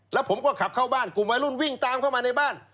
แล้วผมก็ขับเข้าบ้านกลุ่มวัยรุ่นวิ่งตามเข้ามาในบ้าน